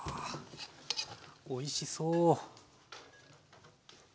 おいしそう！